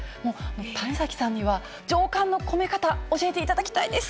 種崎さんには、情感の込め方、教えていただきたいです。